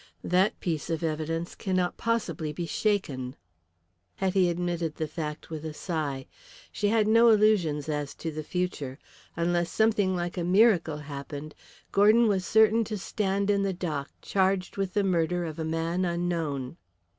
That piece of evidence cannot possibly be shaken." Hetty admitted the fact with a sigh. She had no illusions as to the future. Unless something like a miracle happened Gordon was certain to stand in the dock charged with the murder of a man unknown.